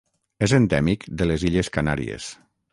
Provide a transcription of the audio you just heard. És endèmic de les illes Canàries.